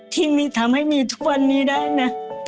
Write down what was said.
ที่มีทำให้มีทุกวันนี้ได้นะ